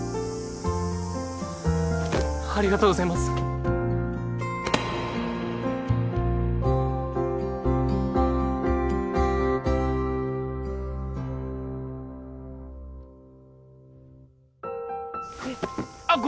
ありがとうございますえっ？